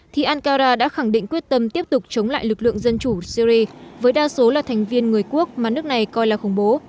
thì ankara đã khẳng định quyết tâm tiếp tục chống lại lực lượng dân chủ syri với đa số là thành viên người quốc mà nước này coi là khủng bố